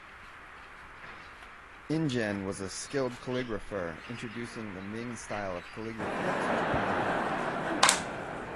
Ingen was a skilled calligrapher, introducing the Ming style of calligraphy to Japan.